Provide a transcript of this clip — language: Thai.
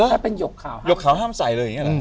ถ้าเป็นหยกขาวห้ามใส่เลยอย่างนั้น